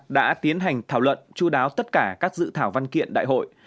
đã tiến hành thảo luận chú đáo tất cả các dự thảo văn kiện đại hội